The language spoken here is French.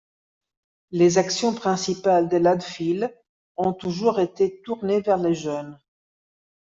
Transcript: Les actions principales de l’Adphile ont toujours été tournées vers les jeunes.